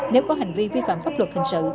nếu có hành vi vi phạm pháp luật hình sự